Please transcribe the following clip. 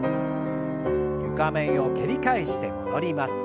床面を蹴り返して戻ります。